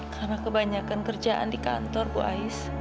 karena kebanyakan kerjaan di kantor bu ais